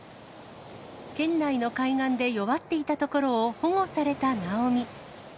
県内の海岸で弱っていたところを保護されたなおみ。